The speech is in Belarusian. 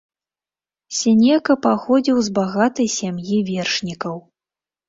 Сенека паходзіў з багатай сем'і вершнікаў.